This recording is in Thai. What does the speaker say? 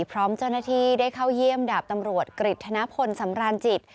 พร้อมเจ้าหน้าที่ได้เข้าเยี่ยมดาบตำรวจกริจธนพลสำรานจิต